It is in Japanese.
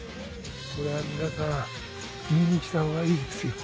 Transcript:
これは皆さん見にきたほうがいいですよ。